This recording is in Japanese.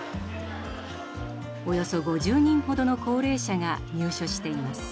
およそ５０人ほどの高齢者が入所しています。